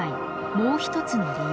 もう一つの理由。